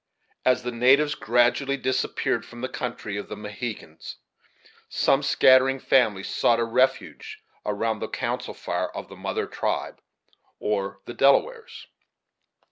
As the natives gradually disappeared from the country of the Mohegans, some scattering families sought a refuge around the council fire of the mother tribe, or the Delawares.